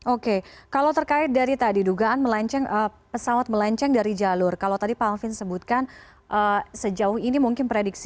oke kalau terkait dari tadi dugaan pesawat melenceng dari jalur kalau tadi pak alvin sebutkan sejauh ini mungkin prediksi